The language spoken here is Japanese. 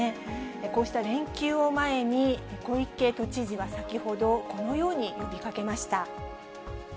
こうした連休を前に、小池都知事は先ほど、このように呼びかけました。